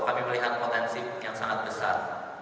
kami melihat potensi yang sangat besar